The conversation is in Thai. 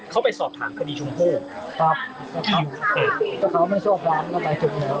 เขาไปสอบถามคดีชุมโภคครับครับเขาเขาไม่ชอบความต่อไปจุดเนี้ย